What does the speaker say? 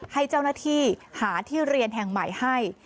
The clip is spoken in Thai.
ให้เจ้าหน้าที่หาที่เรียนแห่งใหม่ให้